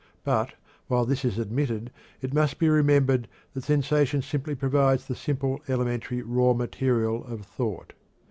But, while this is admitted, it must be remembered that sensation simply provides the simple, elementary, raw material of thought.